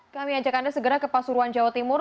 kami ajak anda segera ke pasuruan jawa timur